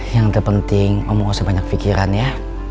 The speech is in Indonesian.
yang terpenting ngomong gak usah banyak pikiran ya